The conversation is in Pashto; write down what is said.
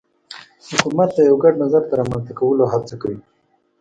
حکومت د یو ګډ نظر د رامنځته کولو هڅه کوي